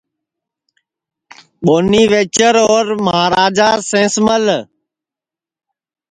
بونی، ویچر، اور مہاراجا سینس مل